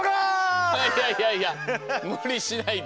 いやいやいやいやむりしないで。